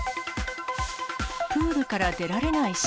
プールから出られない鹿。